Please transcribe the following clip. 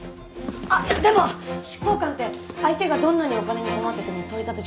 あっでも執行官って相手がどんなにお金に困ってても取り立てちゃうわけですか？